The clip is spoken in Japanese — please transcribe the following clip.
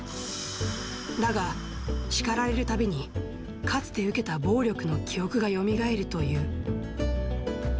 だが、叱られるたびにかつて受けた暴力の記憶がよみがえるという。